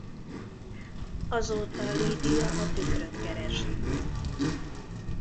Azóta Lydia a tükröt keresi.